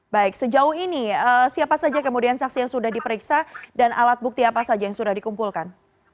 baik sejauh ini siapa saja kemudian saksi yang sudah diperiksa dan alat bukti apa saja yang sudah dikumpulkan